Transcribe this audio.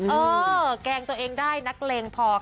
เออแกล้งตัวเองได้นักเลงพอค่ะ